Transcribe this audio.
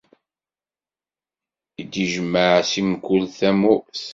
I d-ijmeɛ si mkul tamurt.